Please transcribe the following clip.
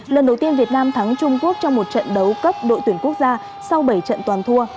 lần đầu tiên việt nam thắng trung quốc trong một trận đấu cấp đội tuyển quốc gia sau bảy trận toàn thua